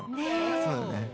そうよね。